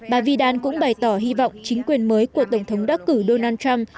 bà vidan cũng bày tỏ hy vọng chính quyền mới của tổng thống đắc cử donald trump